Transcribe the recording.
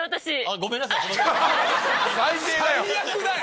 ごめんなさい！